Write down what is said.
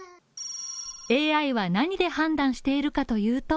ＡＩは何で判断しているかというと